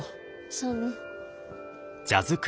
そうね。